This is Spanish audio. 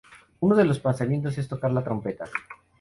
Uno de sus pasatiempos es tocar la trompeta.